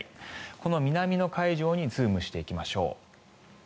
この南の海上にズームしていきましょう。